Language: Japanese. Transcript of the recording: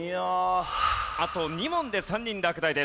あと２問で３人落第です。